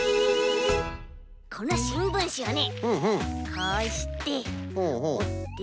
このしんぶんしをねこうしておって。